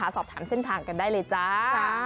สอบถามเส้นทางกันได้เลยจ้า